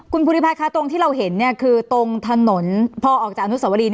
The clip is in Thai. คุณภูริพัฒน์ค่ะตรงที่เราเห็นคือตรงถนนพอออกจากอนุสวรี